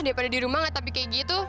daripada di rumah tapi kayak gitu